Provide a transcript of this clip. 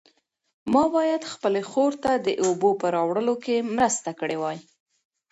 ما باید خپلې خور ته د اوبو په راوړلو کې مرسته کړې وای.